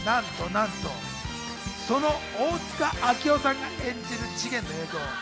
その大塚明夫さんが演じる次元の映像。